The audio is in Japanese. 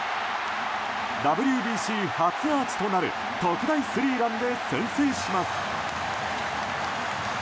ＷＢＣ初アーチとなる特大スリーランで先制します。